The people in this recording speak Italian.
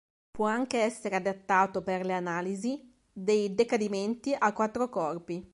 Può essere adattato anche per l'analisi dei decadimenti a quattro corpi.